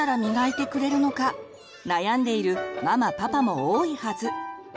悩んでいるママパパも多いはず。